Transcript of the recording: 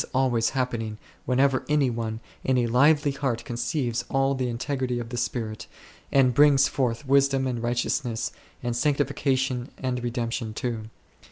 This is always happening whenever any one in a lively heart conceives all the integrity of the Spirit, and brings forth wisdom and righteousness, and sanctification and redemption too.